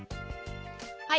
はい。